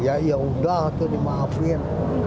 ya yaudah tuh dimaafin